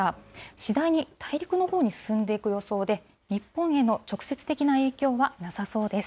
次第に大陸のほうに進んでいく予想で、日本への直接的な影響はなさそうです。